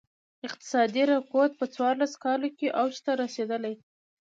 اقتصادي رکود په څوارلس کالو کې اوج ته رسېدلی.